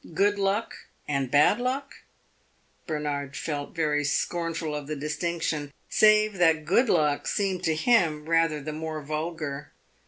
Good luck and bad luck? Bernard felt very scornful of the distinction, save that good luck seemed to him rather the more vulgar.